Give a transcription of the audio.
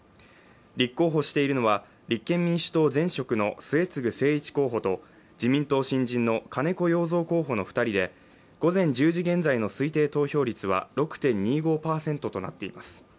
立候補しているのは立憲民主党前職の末次精一候補と自民党新人の金子容三候補の２人で午前１０時現在の推定投票率は６．２５％となっています。